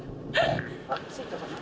あ着いたかな？